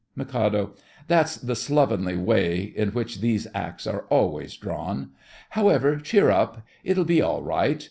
MIK. That's the slovenly way in which these Acts are always drawn. However, cheer up, it'll be all right.